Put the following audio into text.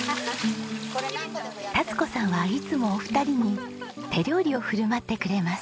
たつ子さんはいつもお二人に手料理を振る舞ってくれます。